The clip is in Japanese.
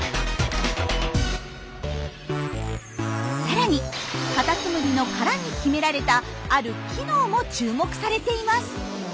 さらにカタツムリの殻に秘められたある機能も注目されています。